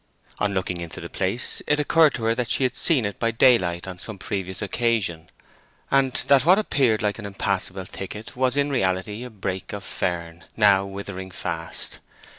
On looking into the place, it occurred to her that she had seen it by daylight on some previous occasion, and that what appeared like an impassable thicket was in reality a brake of fern now withering fast.